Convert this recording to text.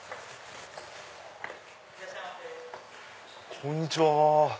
こんにちは。